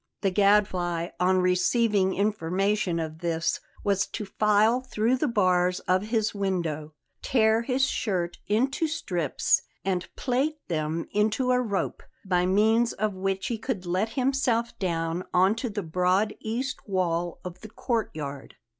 The Gadfly, on receiving information of this, was to file through the bars of his window, tear his shirt into strips and plait them into a rope, by means of which he could let himself down on to the broad east wall of the courtyard.